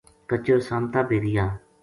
کچر سامتا بے رہیا